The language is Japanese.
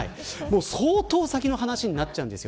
相当先の話になっちゃうんです